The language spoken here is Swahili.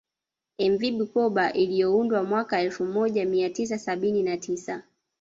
Mv Bukoba iliyoundwa mwaka elfu moja mia tisa sabini na tisa